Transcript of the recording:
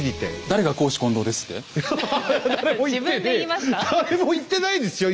誰も言ってないですよ